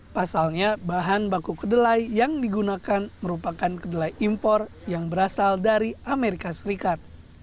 pasalnya bahan baku kedelai yang digunakan merupakan kedelai impor yang berasal dari amerika serikat